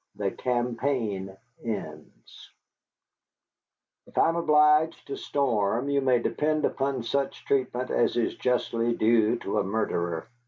THE CAMPAIGN ENDS "If I am obliged to storm, you may depend upon such treatment as is justly due to a murderer.